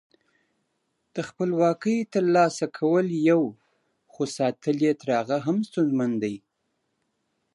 د خپلواکۍ تر لاسه کول یو، خو ساتل یې تر هغه هم ستونزمن دي.